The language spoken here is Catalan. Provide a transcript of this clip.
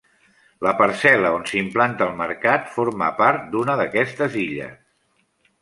La parcel·la on s'implanta el mercat forma part d'una d'aquestes illes.